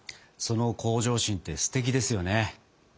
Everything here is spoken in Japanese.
その向上心ってすてきですよね。